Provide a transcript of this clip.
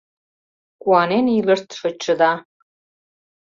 Куанен илышт шочышда!